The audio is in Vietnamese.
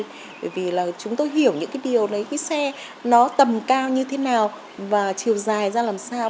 bởi vì là chúng tôi hiểu những cái điều đấy cái xe nó tầm cao như thế nào và chiều dài ra làm sao